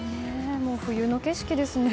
冬の景色ですね。